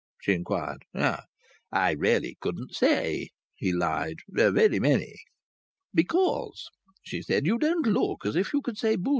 she inquired. "I really couldn't say," he lied. "Very many." "Because," she said, "you don't look as if you could say 'Bo!'